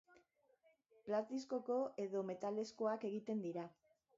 Plastikozko edo metalezkoak egiten dira.